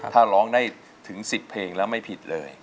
ถ้าร้องได้ถึง๑๐เพลงแล้วไม่ผิดเลย